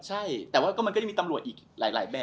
ใช่แต่ว่าก็มันก็จะมีตำรวจอีกหลายแบบ